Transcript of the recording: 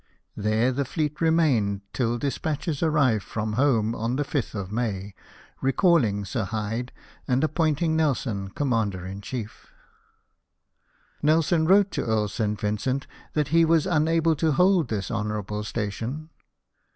There the fleet remained, till despatches arrived from home, on the 5th of May, recalling Sir Hyde, and appointing Nelson Commander in Chief Nelson wrote to Earl St. Vincent that he was unable to hold this honourable station.